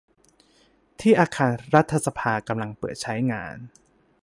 ที่อาคารรัฐสภากำลังเปิดใช้งาน